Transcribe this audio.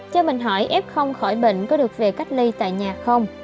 cho mình hỏi f không khỏi bệnh có được về cách ly tại nhà không